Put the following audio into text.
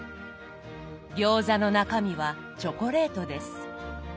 餃子の中身はチョコレートです。